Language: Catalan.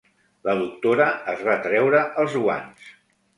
La doctora es va treure els guants.